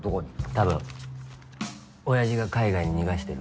多分おやじが海外に逃がしてる。